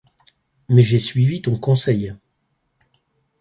Mais j’ai suivi ton conseil.